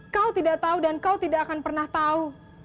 kau tidak tahu dan kau tidak akan pernah tahu